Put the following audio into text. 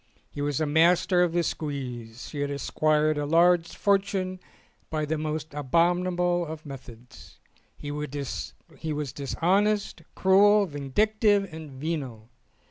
He was a master of the squeeze. He had acquired a large fortune by the most abomi nable methods. He was dishonest, cruel, vindic tive, and venal.